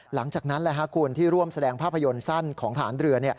หลังจากนั้นคุณที่ร่วมแสดงภาพยนตร์สั้นของทหารเรือ